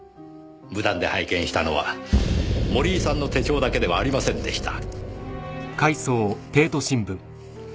無断で拝見したのは森井さんの手帳だけではありませんでした。